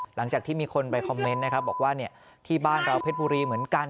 หลังจากที่มีคนไปคอมเมนต์นะครับบอกว่าที่บ้านเราเพชรบุรีเหมือนกัน